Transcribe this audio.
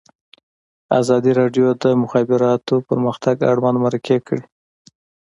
ازادي راډیو د د مخابراتو پرمختګ اړوند مرکې کړي.